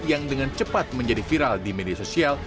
yang dengan cepat menjadi viral di media sosial